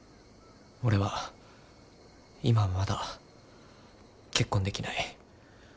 俺は今はまだ結婚できない。